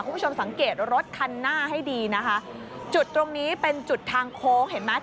คุณผู้ชมสังเกตรถคันหน้าให้ดีนะคะจุดตรงนี้เป็นจุดทางโค้งเห็นไหม